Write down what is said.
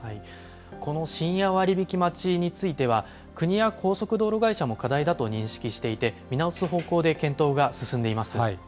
この深夜割引待ちについては、国や高速道路会社も課題だと認識していて、見直す方向で検討が進んでいます。